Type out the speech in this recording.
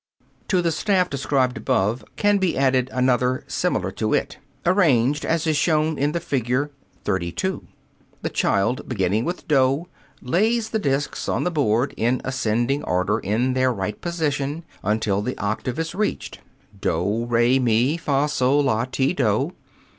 To the staff described above can be added another similar to it, arranged as is shown in the figure. (Fig. 32.) The child beginning with doh, lays the discs on the board in ascending order in their right position until the octave is reached: doh, re, mi, fah, soh, lah, ti, doh.